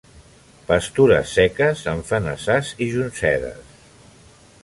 Pastures seques en fenassars i joncedes.